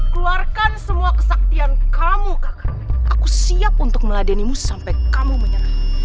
keluarkan semua kesaktian kamu kak kang aku siap untuk meladenimu sampai kamu menyerah